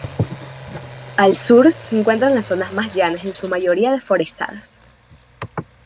Al sur se encuentran las zonas más llanas, en su mayoría deforestadas.